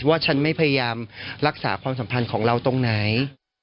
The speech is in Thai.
ฉันไม่พยายามรักษาความสัมพันธ์ของเราตรงไหน